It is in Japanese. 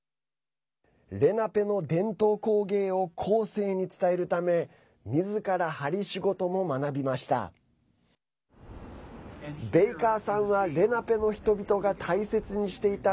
レナペの伝統工芸を後世に伝えるためみずから針仕事も学びました。